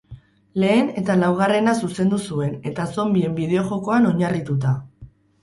Lehen eta laugarrena zuzendu zuen eta zonbien bideojokoan oinarrituta.